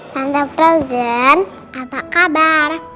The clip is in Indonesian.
tante frozen apa kabar